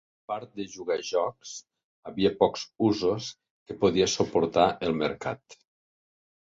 A part de jugar jocs, havia pocs usos que podia suportar el mercat.